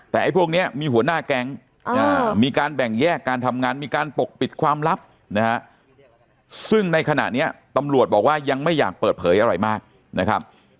แต่ไอ้พวกนี้มีหัวหน้าแก๊งมีการแบ่งแยกการทำงานมีการปกปิดความลับนะฮะซึ่งในขณะนี้ตำรวจบอกว่ายังไม่อยากเปิดเผยอะไรมากนะครับ